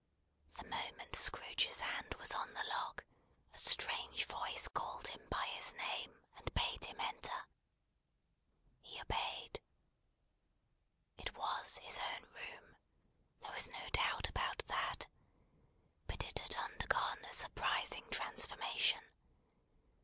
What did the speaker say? The moment Scrooge's hand was on the lock, a strange voice called him by his name, and bade him enter. He obeyed. It was his own room. There was no doubt about that. But it had undergone a surprising transformation.